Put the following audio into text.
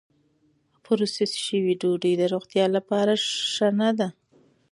پروسس شوې ډوډۍ د روغتیا لپاره ښه نه ده.